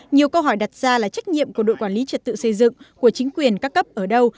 nhiều câu hỏi đặt ra là trách nhiệm của đội quản lý trật tự xây dựng của chính quyền các cấp ở đâu